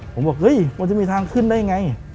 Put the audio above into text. ผมบอกเฮ้ยมันจะมีทางขึ้นได้ไง